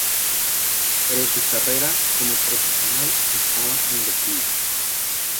Pero su carrera como profesional estaba en declive.